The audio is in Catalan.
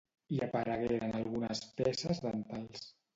Hi aparegueren algunes peces dentals.